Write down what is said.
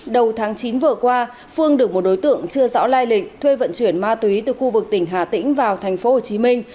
đầu tháng chín vừa qua phương được một đối tượng chưa rõ lai lịch thuê vận chuyển ma túy từ khu vực tỉnh hà tĩnh vào thành phố hồ chí minh